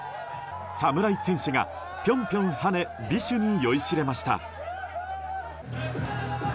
侍戦士がぴょんぴょん跳ね美酒に酔いしれました。